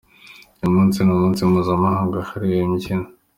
Uyu munsi ni umunsi mpuzamahanga wahariwe imbyino.